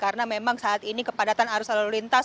karena memang saat ini kepadatan arus lalu lintas